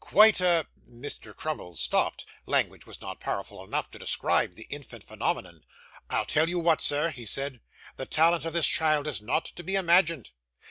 'Quite a !' Mr. Crummles stopped: language was not powerful enough to describe the infant phenomenon. 'I'll tell you what, sir,' he said; 'the talent of this child is not to be imagined.